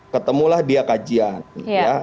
ketemulah dia kajian ya